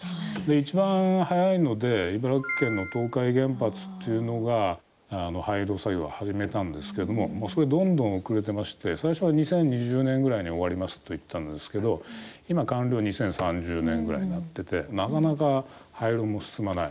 一番早いので茨城県の東海原発っていうのが廃炉作業を始めたんですけれどももう、どんどん遅れてまして最初は２０２０年ぐらいに終わりますと言ったんですけど今、完了は２０３０年ぐらいになっててなかなか廃炉も進まない。